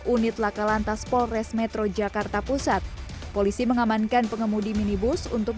unit laka lantas polres metro jakarta pusat polisi mengamankan pengemudi minibus untuk